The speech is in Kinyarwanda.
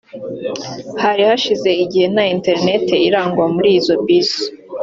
Hari hashize igihe nta internet irangwa muri izo bisi